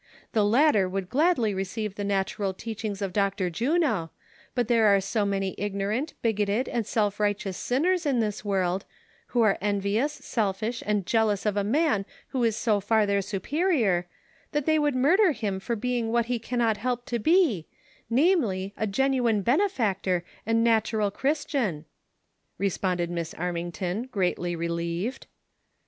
The latter would gladly receive the natural teachings of Dr. Jimo, but there are so many ignorant, bigoted and self righteous sinners in this world, who are envious, self ish and jealous of a man wiio is so far their superior', that they would murder him for being wliat he cannot help to be, namely, a genuine benefactor and natural Christ ian," responded Miss Armington, greatly relieved.